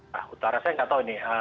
nah utara saya nggak tahu ini